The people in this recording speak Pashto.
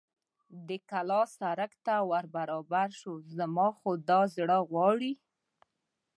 د کلا سړک ته ور برابر شو، زما خو دا زړه غواړي.